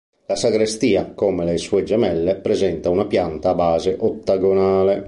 La sagrestia, come le sue gemelle, presenta una pianta a base ottagonale.